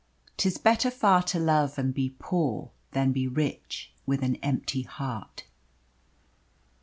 'Tis better far to love and be poor, Than be rich with an empty heart.